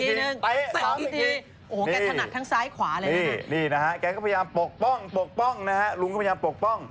โอ้โหแกถนัดทั้งซ้ายขวาเลยนี่นี่นะฮะแกก็พยายามปกป้องปกป้องนะฮะลุงก็พยายามปกป้อง